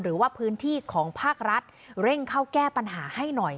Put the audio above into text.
หรือว่าพื้นที่ของภาครัฐเร่งเข้าแก้ปัญหาให้หน่อย